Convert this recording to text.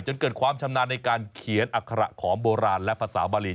จนเกิดความชำนาญในการเขียนอัคระของโบราณและภาษาบาลี